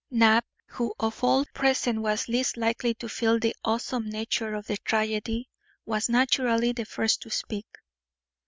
Knapp, who of all present was least likely to feel the awesome nature of the tragedy, was naturally the first to speak.